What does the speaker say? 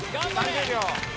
３０秒。